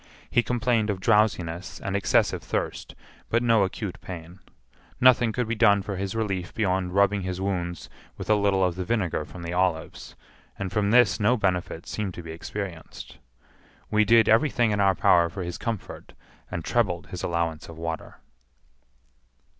He complained of drowsiness and excessive thirst, but no acute pain. Nothing could be done for his relief beyond rubbing his wounds with a little of the vinegar from the olives, and from this no benefit seemed to be experienced. We did every thing in our power for his comfort, and trebled his allowance of water.